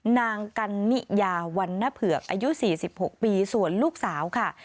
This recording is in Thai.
นางกันนิยาวันนเผือกอายุ๔๖ปีส่วนลูกสาวค่ะ